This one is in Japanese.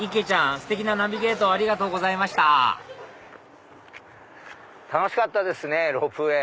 ステキなナビゲートありがとうございました楽しかったですねロープウエー。